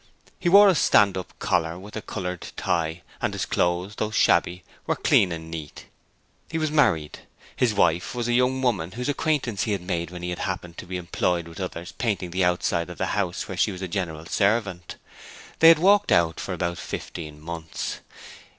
He wore a stand up collar with a coloured tie and his clothes, though shabby, were clean and neat. He was married: his wife was a young woman whose acquaintance he had made when he happened to be employed with others painting the outside of the house where she was a general servant. They had 'walked out' for about fifteen months.